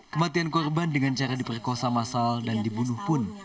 kematian korban dengan cara diperkosa masal dan dibunuh pun